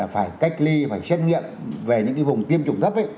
phải cách ly phải xét nghiệm về những cái vùng tiêm chủng thấp ấy